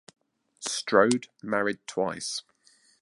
Strode married twice.